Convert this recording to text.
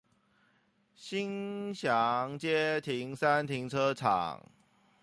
興祥街停三停車場